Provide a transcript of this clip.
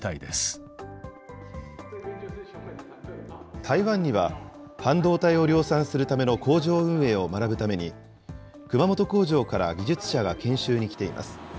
台湾には半導体を量産するための工場運営を学ぶために、熊本工場から技術者が研修に来ています。